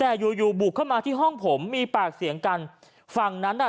แต่อยู่อยู่บุกเข้ามาที่ห้องผมมีปากเสียงกันฝั่งนั้นน่ะ